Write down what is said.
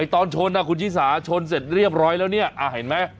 ตอนชนคุณชิสาชนเสร็จเรียบร้อยแล้วเนี่ยเห็นไหม